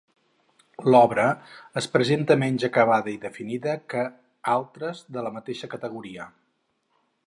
L'obra es presenta menys acabada i definida que altres de la mateixa categoria.